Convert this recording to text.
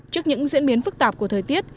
trước những diễn biến phức tạp của thời tiết